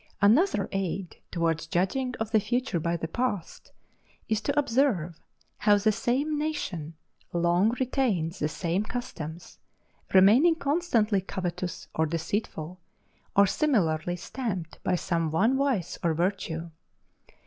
Another aid towards judging of the future by the past, is to observe how the same nation long retains the same customs, remaining constantly covetous or deceitful, or similarly stamped by some one vice or virtue.